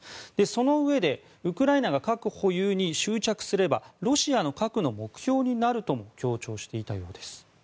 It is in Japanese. そのうえでウクライナが核保有に執着すればロシアの核の目標になるとも強調していたようです。